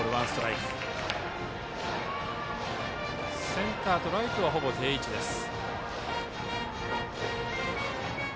センターとライトはほぼ定位置です。